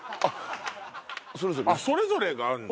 それぞれがあるの？